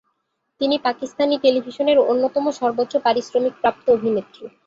তিনি পাকিস্তানি টেলিভিশনের অন্যতম সর্বোচ্চ পারিশ্রমিক প্রাপ্ত অভিনেত্রী।